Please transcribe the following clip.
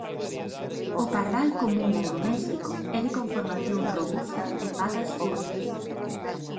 O pardal común ou doméstico é de conformación robusta e patas curtas.